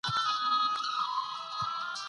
ده د مذهب او تصوف علوم زده کړل